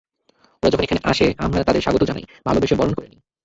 ওরা যখন এখানে আসে, আমরা তাদের স্বাগত জানাই, ভালোবেসে বরণ করে নিই।